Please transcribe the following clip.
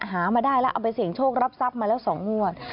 หามาได้แล้วเอาไปเสี่ยงโชครับทรัพย์มาแล้ว๒งวด